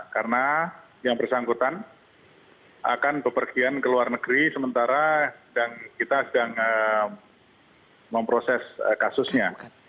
karena yang bersangkutan akan berpergian ke luar negeri sementara kita sedang memproses kasusnya